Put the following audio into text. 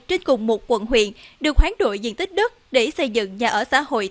trên cùng một quận huyện được khoáng đội diện tích đất để xây dựng nhà ở xã hội